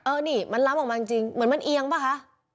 เออนี่มันล้ำออกมาจริงเหมือนมันเอียงป่ะคะ